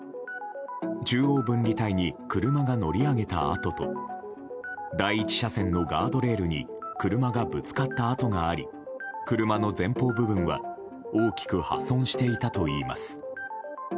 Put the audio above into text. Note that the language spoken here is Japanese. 中央分離帯に車が乗り上げた跡と第１車線のガードレールに車がぶつかった跡があり車の前方部分は大きく破損していたといいます。